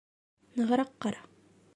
Нығыраҡ ҡара.